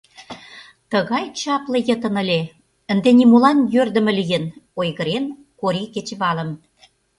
— Тыгай чапле йытын ыле, ынде нимолан йӧрдымӧ лийын, — ойгырен Кори кечывалым.